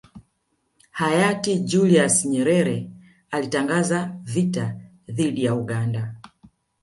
Hayati Julius Nyerere alitangaza vita dhidi ya Uganda